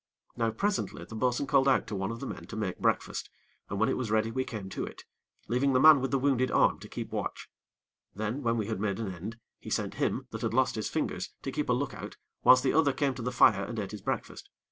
Now, presently, the bo'sun called out to one of the men to make breakfast, and when it was ready we came to it, leaving the man with the wounded arm to keep watch; then when we had made an end, he sent him, that had lost his fingers, to keep a look out whilst the other came to the fire and ate his breakfast.